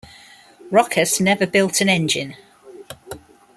Rochas never built an engine.